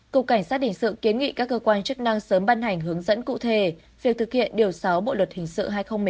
cục cảnh sát hình sự kiến nghị các cơ quan chức năng sớm ban hành hướng dẫn cụ thể việc thực hiện điều sáu bộ luật hình sự hai nghìn một mươi năm